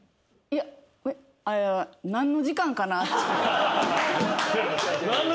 いや何の時間って。